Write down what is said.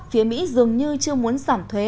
phía mỹ dường như chưa muốn giảm thuế